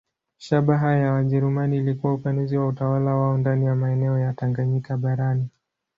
Shabaha ya Wajerumani ilikuwa upanuzi wa utawala wao ndani ya maeneo ya Tanganyika barani.